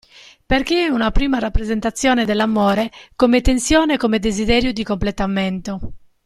Perché è una prima rappresentazione dell'amore come tensione e come desiderio di completamento.